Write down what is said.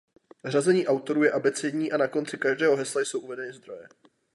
Řazení autorů je abecední a na konci každého hesla jsou uvedeny zdroje.